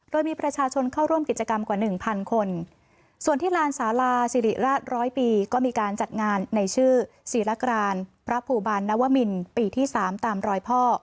โดยมีประชาชนเข้าร่วมกิจกรรมกว่าหนึ่งพันคนส่วนที่ลานสาลาศิริราชร้อยปีก็มีการจัดงานในชื่อศิลกรานพระภูบาลนวมินปีที่สามตามรอยพ่อ